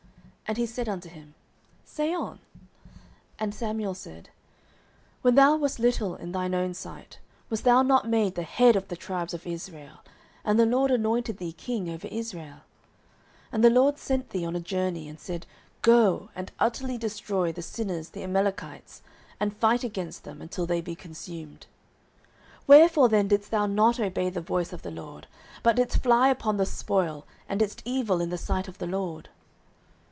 And he said unto him, Say on. 09:015:017 And Samuel said, When thou wast little in thine own sight, wast thou not made the head of the tribes of Israel, and the LORD anointed thee king over Israel? 09:015:018 And the LORD sent thee on a journey, and said, Go and utterly destroy the sinners the Amalekites, and fight against them until they be consumed. 09:015:019 Wherefore then didst thou not obey the voice of the LORD, but didst fly upon the spoil, and didst evil in the sight of the LORD?